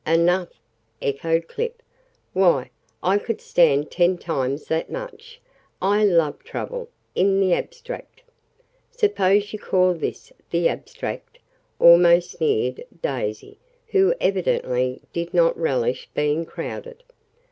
"Enough!" echoed Clip. "Why, I could stand ten times that much! I love trouble in the abstract." "Suppose you call this the abstract," almost sneered Daisy, who evidently did not relish being crowded.